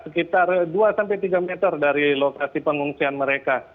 sekitar dua sampai tiga meter dari lokasi pengungsian mereka